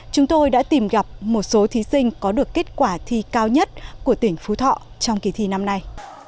chúng tôi đã tìm gặp một số thí sinh có được kết quả thi cao nhất của tỉnh phú thọ trong kỳ thi năm nay